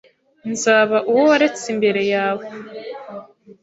Nzaba uwo waretse imbere yawe!